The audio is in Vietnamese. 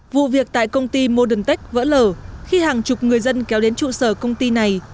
vụ việc tại công ty modentech vỡ lở khi hàng chục người dân kéo đến trụ sở công ty này